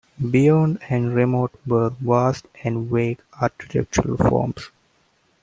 Beyond and remote were vast and vague architectural forms.